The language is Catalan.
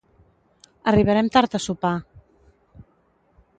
Arribarem tard a sopar.